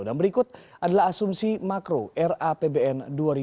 dan berikut adalah asumsi makro rapbn dua ribu delapan belas